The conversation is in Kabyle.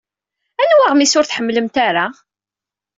Anwa aɣmis ur tḥemmlemt ara?